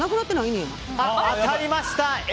当たりました！